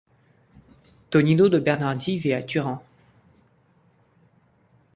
Tonino De Bernardi vit à Turin.